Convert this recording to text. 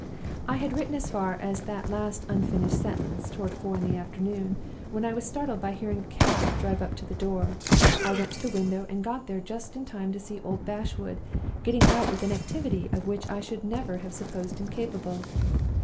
I had written as far as that last unfinished sentence (toward four in the afternoon) when I was startled by hearing a cab drive up to the door. I went to the window, and got there just in time to see old Bashwood getting out with an activity of which I should never have supposed him capable.